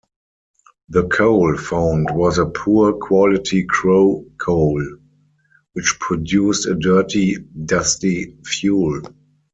The coal found was a poor-quality crow coal, which produced a dirty, dusty fuel.